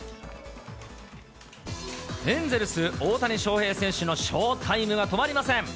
エンゼルス、大谷翔平選手のショータイムが止まりません。